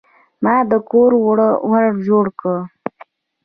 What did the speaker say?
ما د کور ور جوړ کړ.